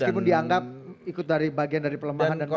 namun dianggap ikut dari bagian dari perlembahan dan macam macam